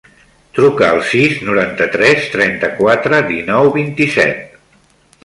Truca al sis, noranta-tres, trenta-quatre, dinou, vint-i-set.